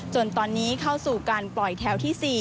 จนตอนนี้เข้าสู่การปล่อยแถวที่๔